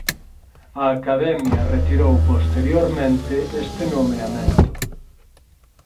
A Academia retirou posteriormente este nomeamento.